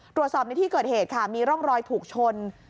ตรวจสอบแบบนี้ที่เกิดเหตุมีร่องรอยทุกชน